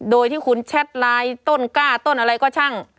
โดยที่คุณแชทไลน์ต้นกล้าต้นอะไรก็ช่าง